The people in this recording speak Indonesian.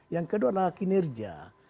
yang kedua adalah kinerja